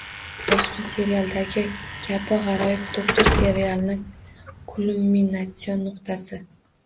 Boshqa serialdagi kabi «G’aroyib doktor» serialini kulminatsion nuqtasi